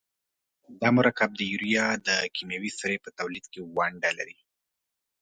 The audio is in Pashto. دا مرکب د یوریا د کیمیاوي سرې په تولید کې ونډه لري.